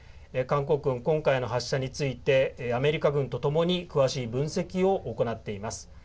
韓国軍、今回の発射についてアメリカ軍とともに詳しい分析を行っています。